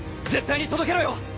絶対に届けろよ！